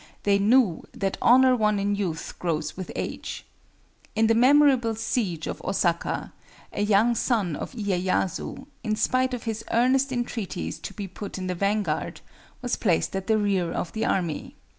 They knew that honor won in youth grows with age. In the memorable siege of Osaka, a young son of Iyéyasu, in spite of his earnest entreaties to be put in the vanguard, was placed at the rear of the army.